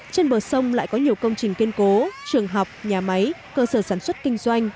trên bờ sông lại có nhiều công trình kiên cố trường học nhà máy cơ sở sản xuất kinh doanh